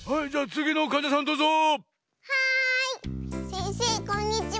せんせいこんにちは。